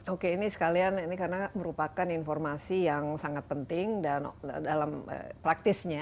oke ini sekalian ini karena merupakan informasi yang sangat penting dalam praktisnya